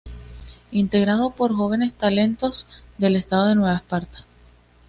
Integrado por jóvenes talentos del estado Nueva Esparta.